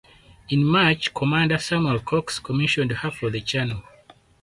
In March Commander Samuel Cox commissioned her for the Channel.